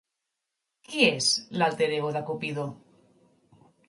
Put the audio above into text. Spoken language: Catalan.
Qui és l'alter ego de Cupido?